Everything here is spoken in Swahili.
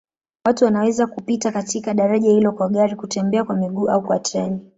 Watu wanaweza kupita katika daraja hilo kwa gari, kutembea kwa miguu au kwa treni.